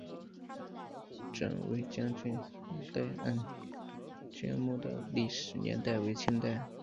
振威将军赖恩爵墓的历史年代为清代。